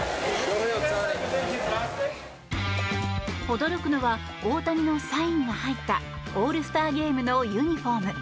驚くのは大谷のサインが入ったオールスターゲームのユニホーム。